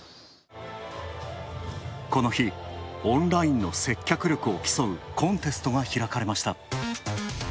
この日、オンラインの接客力を競うコンテストが開かれました。